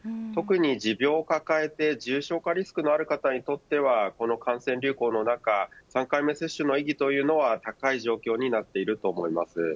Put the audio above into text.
特に持病を抱えて重症化リスクのある方にとってはこの感染流行の中３回目接種の意義というのは高い状況になっていると思います。